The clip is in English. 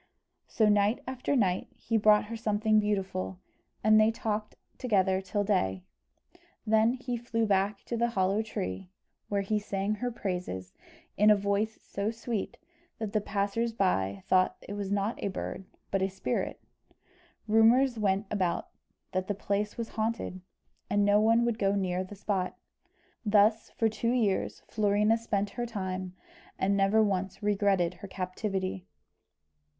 So night after night he brought her something beautiful, and they talked together till day, when he flew back to the hollow tree, where he sang her praises in a voice so sweet that the passers by thought it was not a bird but a spirit. Rumours went about that the place was haunted, and no one would go near the spot. Thus, for two years, Florina spent her time, and never once regretted her captivity.